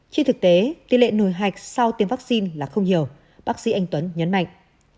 trên thực tế tỷ lệ nổi hạch sau tiêm vaccine là không nhiều bác sĩ anh tuấn nhấn mạnh